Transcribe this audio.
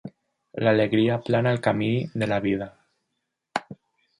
L'alegria aplana el camí de la vida.